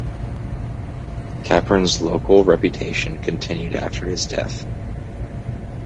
Capern's local reputation continued after his death.